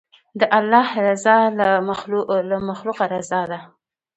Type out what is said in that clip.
د الله رضا له مخلوقه رضا ده.